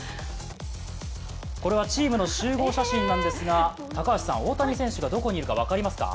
これはチームの集合写真なんですが、高橋さん、大谷選手がどこにいるか分かりますか？